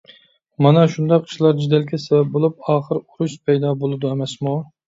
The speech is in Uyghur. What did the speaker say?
مانا شۇنداق ئىشلار جېدەلگە سەۋەب بولۇپ، ئاخىر ئۇرۇش پەيدا بولىدۇ ئەمەسمۇ؟